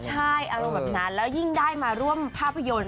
ใช่อารมณ์แบบนั้นแล้วยิ่งได้มาร่วมภาพยนตร์